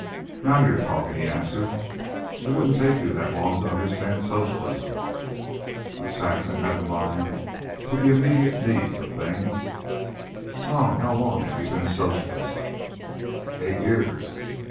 "Now you're talkin'," he answered. "It wouldn't take you long to understand socialism." But Saxon had a mind to the immediate need of things. "Tom, how long have you been a socialist?" "Eight years."